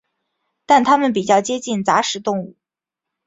但它们比较接近杂食动物。